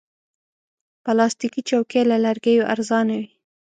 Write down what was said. پلاستيکي چوکۍ له لرګیو ارزانه وي.